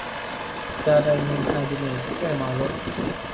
ยาไดเมนไฮดริเนท แก้เมารถ